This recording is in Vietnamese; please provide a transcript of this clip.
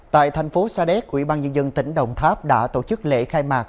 tại thành phố sa đéc ubnd tỉnh đồng tháp đã tổ chức lễ khai mạc